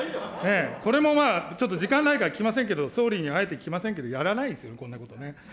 これもまあ、ちょっと時間ないから聞きませんけど、総理にあえて聞きませんけれども、やらないですよ、こんなことね。